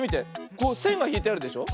こうせんがひいてあるでしょ。